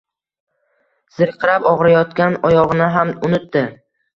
Zirqirab og‘riyotgan oyog‘ini ham unutdi